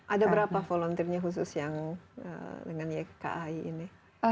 ada berapa volunteernya khusus yang dengan yki ini